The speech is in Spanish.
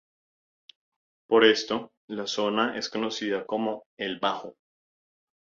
Por esto, la zona es conocida como "el bajo".